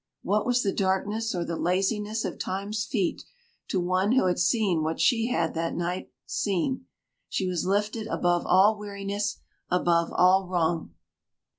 What was darkness or the laziness of Time's feet to one who had seen what she had that night seen? She was lifted above all weariness, above all wrong.